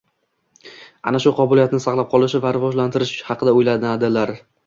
ana shu qobiliyatni saqlab qolish va rivojlantirish haqida o‘ylanadilar.